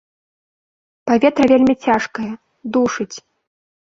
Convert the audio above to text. Паветра вельмі цяжкае, душыць.